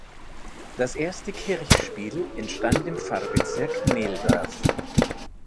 Das erste Kirchspiel entstand im Pfarrbezirk Meldorf.